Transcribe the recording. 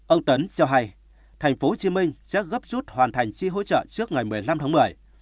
ông tấn cho hay tp hcm sẽ gấp rút hoàn thành chi hỗ trợ trước ngày một mươi năm tháng một mươi